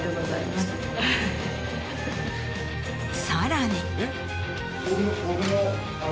さらに。